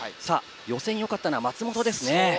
予選がよかったのは松元ですね。